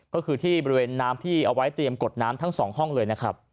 ก็คือที่บริเวณน้ำที่เอาไว้เตรียมกดน้ำทั้งสองห้องเลยนะครับ